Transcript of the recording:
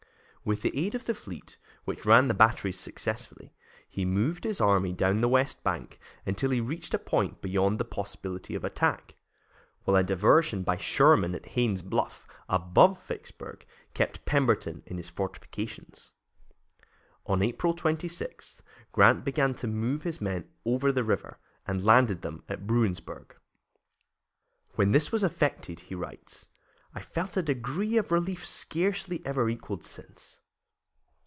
With the aid of the fleet, which ran the batteries successfully, he moved his army down the west bank until he reached a point beyond the possibility of attack, while a diversion by Sherman at Haines' Bluff, above Vicksburg, kept Pemberton in his fortifications. On April 26, Grant began to move his men over the river and landed them at Bruinsburg. "When this was effected," he writes, "I felt a degree of relief scarcely ever equaled since.